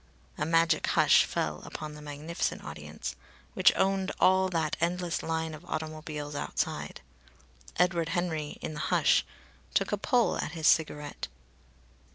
A magic hush fell upon the magnificent audience, which owned all that endless line of automobiles outside. Edward Henry, in the hush, took a pull at his cigarette.